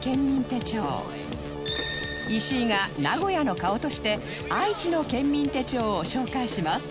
石井が名古屋の顔として愛知の県民手帳を紹介します